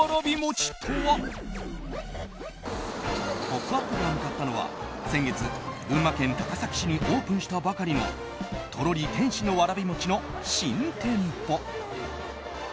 「ポップＵＰ！」が向かったのは先月、群馬県高崎市にオープンしたばかりのとろり天使のわらびもちの新店舗。